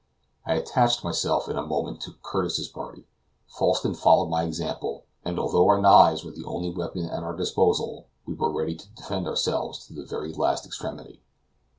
I attached myself in a moment to Curtis's party. Falsten followed my example, and although our knives were the only weapons at our disposal, we were ready to defend ourselves to the very last extremity.